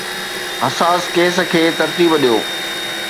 حساس ڪيس کي ترتيب ڏيو